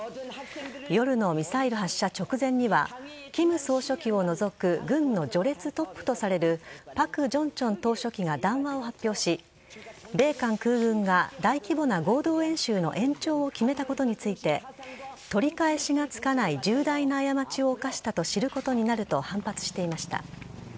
夜のミサイル発射直前には金総書記を除く軍の序列トップとされるパク・ジョンチョン党書記が談話を発表し米韓空軍が大規模な合同演習の延長を決めたことについて取り返しがつかない重大な過ちを犯したと知ることになると反発していました。